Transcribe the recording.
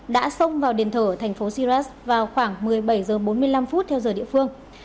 đã xông vào đền thờ thành phố siras vào khoảng một mươi bảy h bốn mươi năm theo giờ địa phương